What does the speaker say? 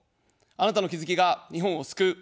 あなたの気づきが日本を救う。